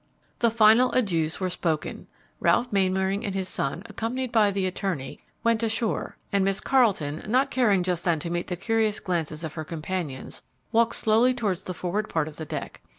The final adieus were spoken; Ralph Mainwaring and his son, accompanied by the attorney, went ashore; and Miss Carleton, not caring just then to meet the curious glances of her companions, walked slowly towards the forward part of the deck.